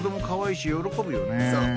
そう。